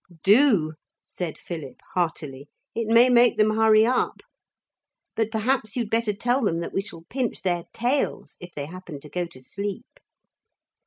'Do,' said Philip heartily, 'it may make them hurry up. But perhaps you'd better tell them that we shall pinch their tails if they happen to go to sleep.'